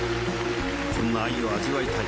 こんな愛を味わいたい。